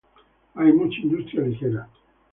Hay mucha industria ligera.